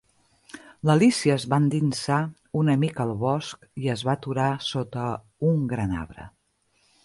L'Alícia es va endinsar una mica al bosc i es va aturar sota un gran arbre.